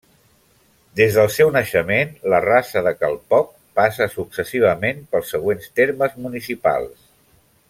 Des del seu naixement, la Rasa de Cal Poc passa successivament pels següents termes municipals.